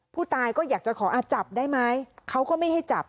ผู้ตายก็อยากจะขอจับได้ไหมเขาก็ไม่ให้จับ